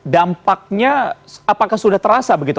dampaknya apakah sudah terasa begitu